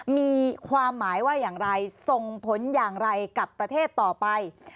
มีความหมายว่าอย่างไรส่งผลอย่างไรกับประเทศต่อไป